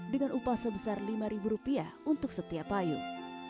dengan upah sebesar lima rupiah untuk setiap payung